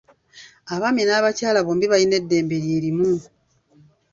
Abaami n'abakyala bombi balina eddembe lye limu.